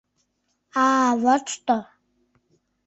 — А-а, вот что?..